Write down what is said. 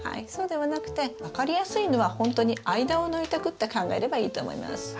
そうではなくて分かりやすいのはほんとに間を抜いてくって考えればいいと思います。